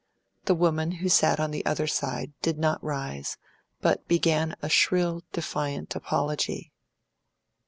The woman who sat on the other side did not rise, but began a shrill, defiant apology.